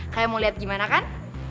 kalian mau liat gimana kan